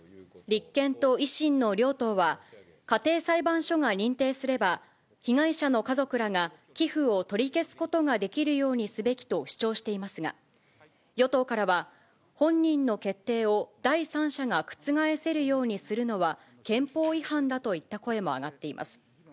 立憲と維新の両党は、家庭裁判所が認定すれば、被害者の家族らが寄付を取り消すことができるようにすべきと主張していますが、与党からは、本人の決定を第三者が覆せるようにするのは憲法違反だといった声も上がっています。